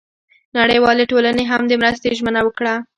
نړیوالې ټولنې هم د مرستې ژمنه وکړه.